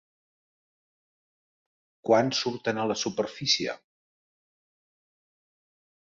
Quan surten a la superfície?